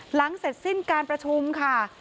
หลังเสร็จสิ้นการประชุมค่ะ